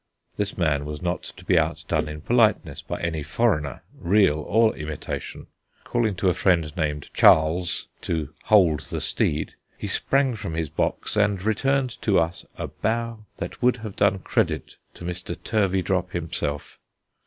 This man was not to be outdone in politeness by any foreigner, real or imitation. Calling to a friend named "Charles" to "hold the steed," he sprang from his box, and returned to us a bow, that would have done credit to Mr. Turveydrop himself.